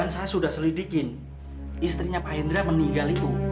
saya sudah selidikin istrinya pak hendra meninggal itu